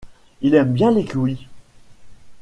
Il aime bien les kiwis.